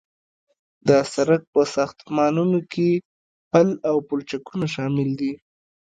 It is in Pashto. د سرک په ساختمانونو کې پل او پلچک شامل دي